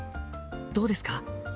どうですか？